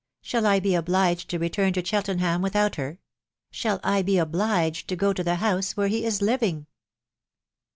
. Shall I be obliged to return to Cheltenham without her ?.... Shall I be obliged to go to the house where he is living